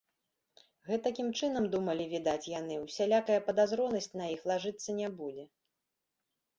Гэтакім чынам, думалі, відаць, яны, усялякая падазронасць на іх лажыцца не будзе.